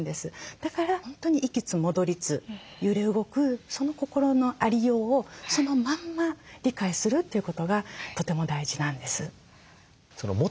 だから本当に行きつ戻りつ揺れ動くその心のありようをそのまんま理解するということがとても大事なんです。